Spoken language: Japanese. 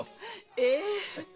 ええ！